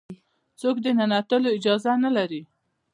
څوک د ننوتلو اجازه نه لري.